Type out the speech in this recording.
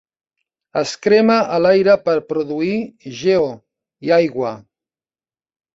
Es crema a l'aire per produir GeO i aigua.